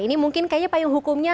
ini mungkin kayaknya pak yang hukumnya